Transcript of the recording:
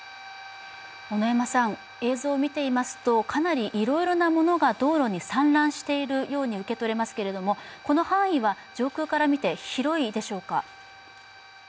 映像を見ていますと、かなりいろいろなものが道路に散乱しているように受け取られますけれども、この範囲は上空から見て広いでしょうか？